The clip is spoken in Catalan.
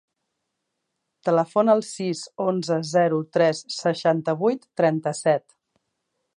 Telefona al sis, onze, zero, tres, seixanta-vuit, trenta-set.